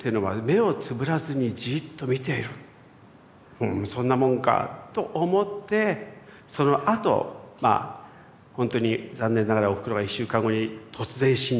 ふんそんなもんかぁと思ってそのあとまあ本当に残念ながらおふくろが１週間後に突然死んじゃったんだけど。